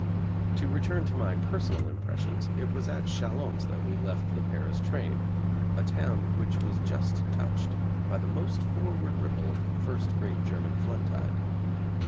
To return to my personal impressions, it was at Chalons that we left the Paris train a town which was just touched by the most forward ripple of the first great German floodtide.